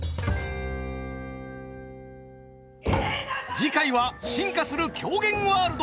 次回は進化する狂言ワールド。